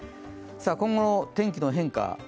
今後の天気の変化です。